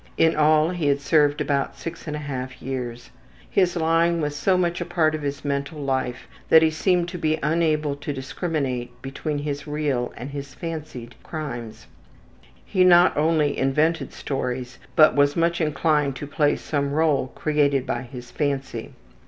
In all he had served about 6 1/2 years. His lying was so much a part of his mental life that he seemed to be unable to discriminate between his real and his fancied crimes. He not only invented stories, but was much inclined to play some role created by his fancy.